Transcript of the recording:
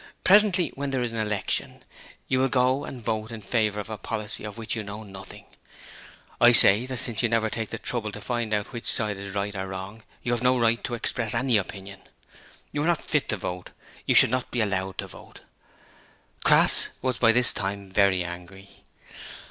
Presently, when there is an election, you will go and vote in favour of a policy of which you know nothing. I say that since you never take the trouble to find out which side is right or wrong you have no right to express any opinion. You are not fit to vote. You should not be allowed to vote.' Crass was by this time very angry.